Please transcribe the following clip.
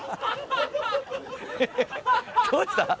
どうした？